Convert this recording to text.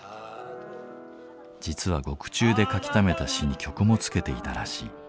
実は獄中で書きためた詩に曲もつけていたらしい。